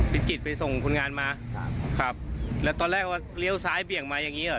จิตไปส่งคนงานมาครับครับแล้วตอนแรกว่าเลี้ยวซ้ายเบี่ยงมาอย่างงี้เหรอ